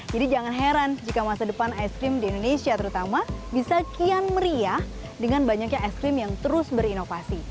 jadi jangan heran jika masa depan es krim di indonesia terutama bisa kian meriah dengan banyaknya es krim yang terus berinovasi